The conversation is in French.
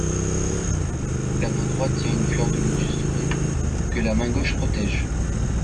La main droite tient une fleur de lotus dorée, que la main gauche protège.